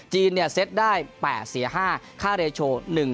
จีนเซตได้๘เสีย๕ค่าเรชโอ๑๑๓๖